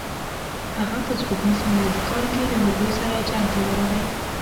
هغه په سپوږمیز میلادي کال کې له هغوی سره جنګ ته ورغی.